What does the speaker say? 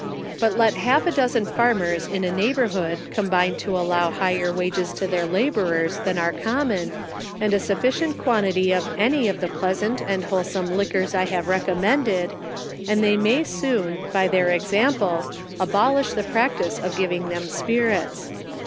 Let but half a dozen fanners in a neighbourhood combine to allow higher wages to their labourers than arc common, and a sufficient quantity of any of the pleasant, and wholesome liquors I have recom mended, and they may soon, by their example, abolish the practice of giving them spirits.